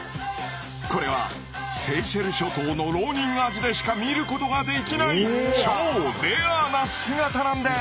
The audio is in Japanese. これはセーシェル諸島のロウニンアジでしか見ることができない超レアな姿なんです。